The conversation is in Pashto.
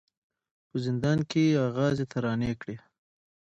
په زندان کي یې آغازي ترانې کړې